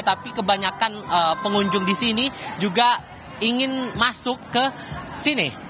tapi kebanyakan pengunjung di sini juga ingin masuk ke sini